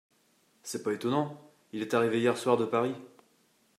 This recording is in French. C’est pas étonnant, il est arrivé hier soir de Paris…